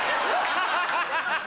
ハハハハ！